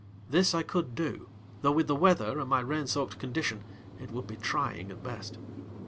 This I could do, though with the weather and my rain soaked condition it would be trying at best.